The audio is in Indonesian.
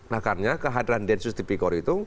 makanya kehadiran densus ipikor itu